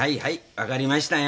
分かりましたよ。